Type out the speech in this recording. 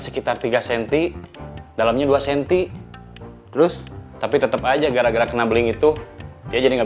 sekitar tiga senti dalamnya dua senti terus tapi tetap aja gara gara kena beling itu dia jadi nggak